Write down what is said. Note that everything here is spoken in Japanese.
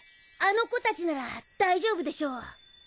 あの子達なら大丈夫でしょう。